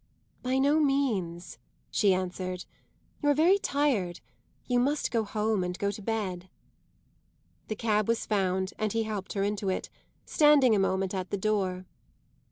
"By no means," she answered; "you're very tired; you must go home and go to bed." The cab was found, and he helped her into it, standing a moment at the door.